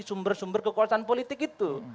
sumber sumber kekuasaan politik itu